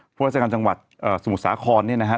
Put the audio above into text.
ผู้อาจารย์กรรมจังหวัดสมุทรสาขรเนี่ยนะฮะ